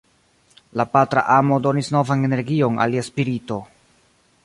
La patra amo donis novan energion al lia spirito.